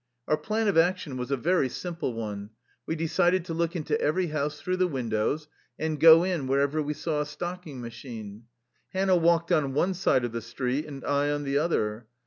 Our plan of action was a very simple one. We de cided to look into every house through the win dows, and go in wherever we saw a stocking machine. Hannah walked on one side of the street, and I on the other.